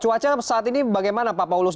cuaca saat ini bagaimana pak paulus